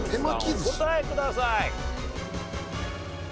お答えください。